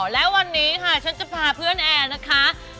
และวันนี้ค่ะฉันจะพาเพื่อนแอร์นะคะ